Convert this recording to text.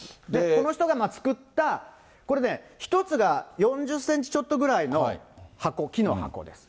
この人が作った、これね、１つが４０センチちょっとぐらいの箱、木の箱です。